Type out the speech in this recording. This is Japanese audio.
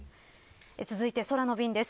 続いて空の便です。